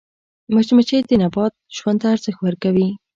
مچمچۍ د نبات ژوند ته ارزښت ورکوي